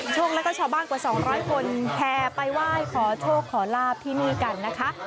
แล้วก็ชาวบ้านกว่า๒๐๐คนแห่ไปไหว้ขอโชคขอลาบที่นี่กันนะคะ